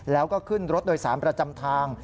แล้วก็ขึ้นรถโดยสารประจำทาง